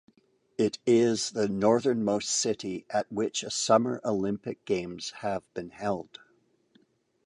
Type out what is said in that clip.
It is the northernmost city at which a summer Olympic Games have been held.